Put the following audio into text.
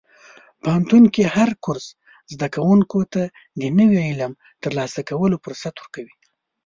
پوهنتون کې هر کورس زده کوونکي ته د نوي علم ترلاسه کولو فرصت ورکوي.